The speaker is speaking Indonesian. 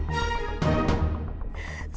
selamat tinggal afif